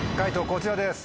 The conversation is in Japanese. こちらです。